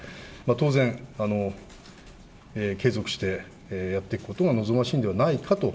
当然、継続してやっていくことが望ましいんではないかと。